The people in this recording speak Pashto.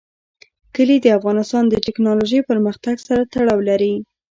کلي د افغانستان د تکنالوژۍ پرمختګ سره تړاو لري.